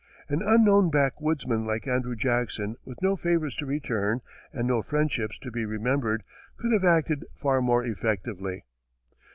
An unknown backwoodsman, like Andrew Jackson, with no favors to return and no friendships to be remembered, could have acted far more effectively.